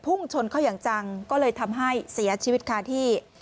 ชนเข้าอย่างจังก็เลยทำให้เสียชีวิตคาที่